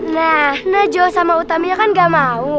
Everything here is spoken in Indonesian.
nah najwa sama utami kan gak mau